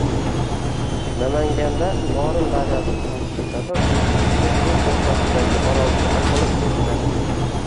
Namanganda Norin daryosi toshishi sabab ikki kishi suv o‘rtasidagi orolchada qolib ketdi